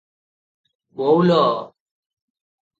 "ବୋଉଲୋ!